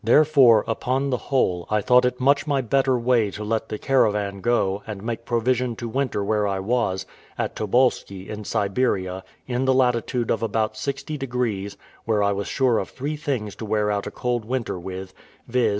Therefore, upon the whole, I thought it much my better way to let the caravan go, and make provision to winter where I was, at Tobolski, in Siberia, in the latitude of about sixty degrees, where I was sure of three things to wear out a cold winter with, viz.